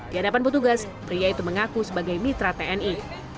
di hadapan petugas pria itu mengaku sebagai mitra tni